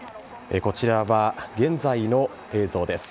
こちらは現在の映像です。